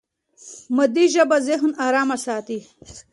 مادي ژبه ذهن ارام ساتي.